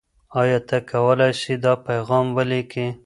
آیا ته کولای سې دا پیغام ولیکې؟